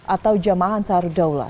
atau jamahan seharu daulah